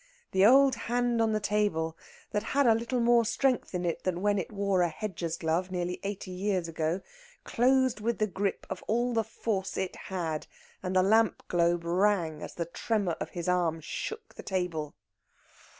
The old hand on the table that had little more strength in it than when it wore a hedger's glove near eighty years ago, closed with the grip of all the force it had, and the lamp globe rang as the tremor of his arm shook the table.